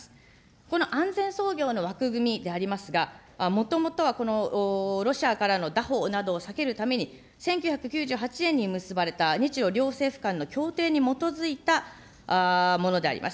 この安全操業の枠組みでありますが、もともとはロシアからのだ捕などを避けるために１９９８年に結ばれた日ロ両政府間の協定に基づいたものであります。